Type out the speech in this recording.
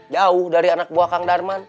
jauh dari anak buah kandarman